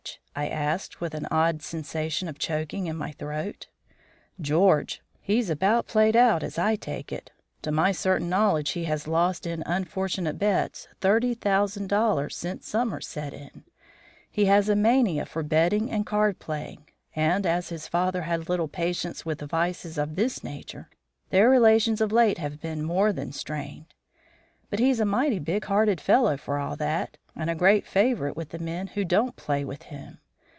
I asked, with an odd sensation of choking in my throat. "George. He's about played out, as I take it. To my certain knowledge he has lost in unfortunate bets thirty thousand dollars since summer set in. He has a mania for betting and card playing, and as his father had little patience with vices of this nature, their relations of late have been more than strained. But he's a mighty big hearted fellow for all that, and a great favourite with the men who don't play with him.